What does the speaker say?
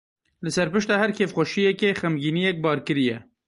Li ser pişta her kêfxweşiyekê xemgîniyek barkirî ye.